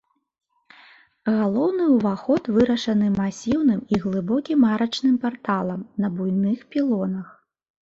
Галоўны ўваход вырашаны масіўным і глыбокім арачным парталам на буйных пілонах.